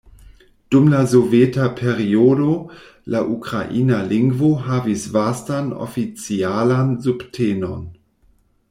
Dum la soveta periodo, la ukraina lingvo havis vastan oficialan subtenon.